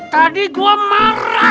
tadi gue marah